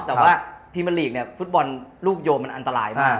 แต่ว่าพรีเมอร์ลีกเนี่ยฟุตบอลลูกโยมมันอันตรายมาก